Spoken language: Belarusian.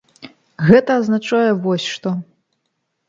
Гэта азначае вось што.